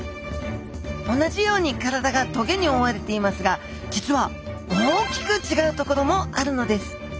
同じように体が棘に覆われていますが実は大きく違うところもあるのです。